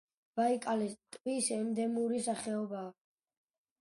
ბაიკალის ტბის ენდემური სახეობაა.